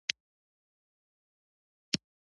رحماني استاد د ګاډۍ د منځ ګروپ روښانه کړ.